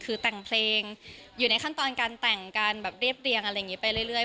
คือแต่งเพลงอยู่ในขั้นตอนการแต่งการแบบเรียบเรียงอะไรอย่างนี้ไปเรื่อย